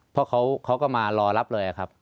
เพราะเขาก็มารอรับเลยครับ